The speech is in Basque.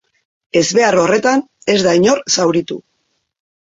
Ezbehar horretan, ez da inor zauritu.